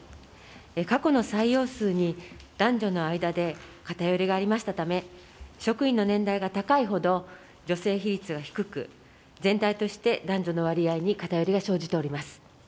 過去の採用数に男女の間で偏りがありましたため、職員の年代が高いほど女性比率が低く、全体として男女の割合に偏りが生じております。